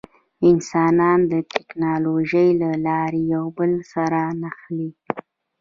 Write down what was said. انسانان د ټکنالوجۍ له لارې یو بل سره نښلي.